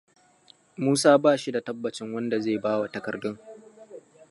Musa ba shi da tabbacin wanda zai bawa takardun.